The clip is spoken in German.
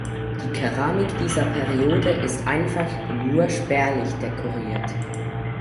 Die Keramik dieser Periode ist einfach und nur spärlich dekoriert.